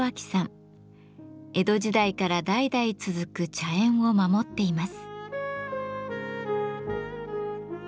江戸時代から代々続く茶園を守っています。